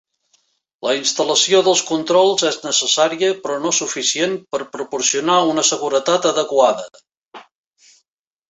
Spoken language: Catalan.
La instal·lació dels controls és necessària, però no suficient per proporcionar una seguretat adequada.